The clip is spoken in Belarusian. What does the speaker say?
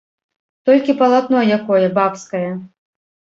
Толькі палатно якое, бабскае.